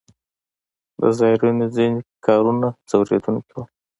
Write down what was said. د زایرینو ځینې کارونه ځوروونکي وو.